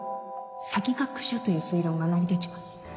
詐欺学者という推論が成り立ちます